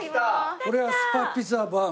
これはスパピザバーグ。